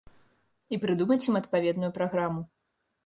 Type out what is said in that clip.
І прыдумаць ім адпаведную праграму.